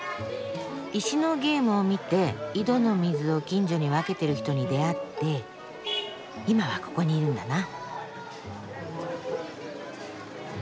石のゲームを見て井戸の水を近所に分けてる人に出会って今はここにいるんだな。